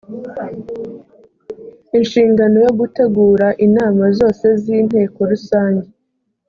inshingano yo gutegura inama zose z’inteko rusange